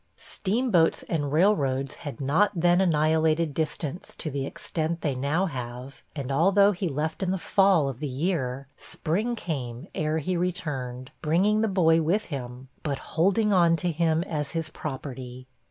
Steamboats and railroads had not then annihilated distance to the extent they now have, and although he left in the fall of the year, spring came ere he returned, bringing the boy with him but holding on to him as his property.